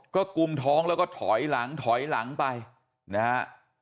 ก็กุมท้องแล้วก็ถอยหลังถอยหลังไปนะฮะ